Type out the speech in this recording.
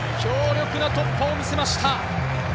強力な突破を見せました。